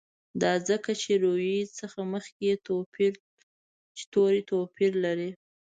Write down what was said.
دا ځکه چې روي څخه مخکي یې توري توپیر لري.